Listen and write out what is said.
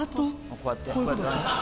こうやって？